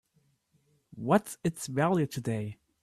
What's its value today?